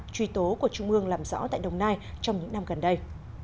truy tố của trung ương làm rõ tại đồng nai trong những năm gần đây